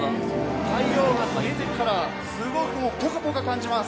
太陽が出てからすごくポカポカ感じます。